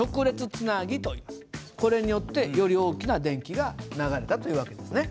これをこれによってより大きな電気が流れたという訳ですね。